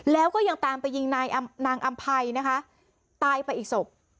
แล้วก็ยังตามไปยิงนายนางอำภัยนะคะตายไปอีกศพ